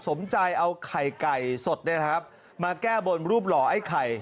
สมใจเอาไข่ไก่สดมาแก้บนรูปหล่อไอ้ไข่